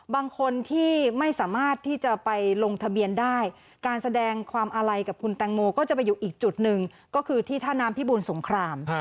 บางคนที่ไม่สามารถที่จะไปลงทะเบียนได้การแสดงความอาลัยกับคุณแตงโมก็จะไปอยู่อีกจุดหนึ่งก็คือที่ท่าน้ำพิบูลสงคราม